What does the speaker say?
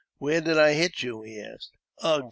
Where did I hit you ?" he asked. " Ugh !